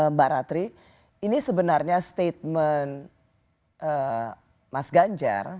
mbak ratri ini sebenarnya statement mas ganjar